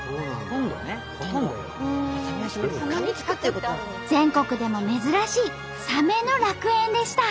全国でも珍しいサメの楽園でした。